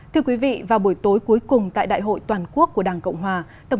thưa quý vị vào buổi tối cuối cùng tại đại hội toàn quốc của đảng cộng hòa